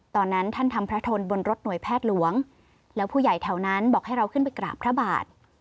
ตอนนั้นท่านทำพระทนบนรถหน่วยแพทย์หลวงแล้วผู้ใหญ่แถวนั้นบอกให้เราขึ้นไปกราบพระบาท